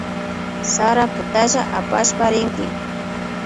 Sarakutalla apashpa rinki